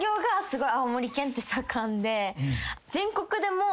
全国でも。